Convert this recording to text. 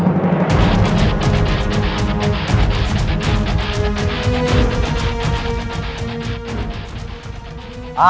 supaya dia menjadi contacting semua orang